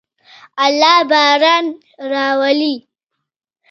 الله باران راولي.